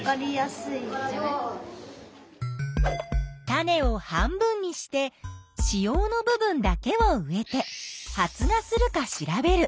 種を半分にして子葉の部分だけを植えて発芽するか調べる。